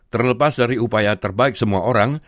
terlepas dari upaya terbaik semua orang